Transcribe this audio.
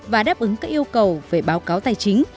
và đáp ứng các yêu cầu về báo cáo tài chính